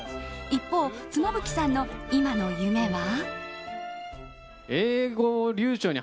一方、妻夫木さんの今の夢は。